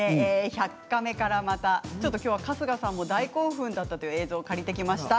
「１００カメ」から春日さんも大興奮だったという映像を借りてきました。